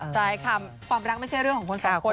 ใช่ค่ะความรักไม่ใช่เรื่องของคนสองคน